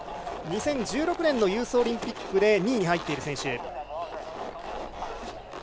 ２０１６年ユースオリンピックで２位に入っている選手。